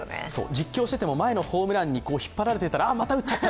実況していても前のホームランに引っ張られていたらあ、また打っちゃった！